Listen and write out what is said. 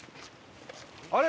あれ？